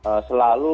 oke terima kasih